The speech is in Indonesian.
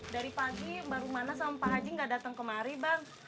dari pagi baru mana sama pak haji gak datang kemari bang